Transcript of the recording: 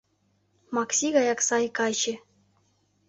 Макси гаяк сай каче...